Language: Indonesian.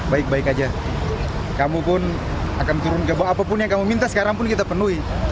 baik baik aja kamu pun akan turun ke bawah apapun yang kamu minta sekarang pun kita penuhi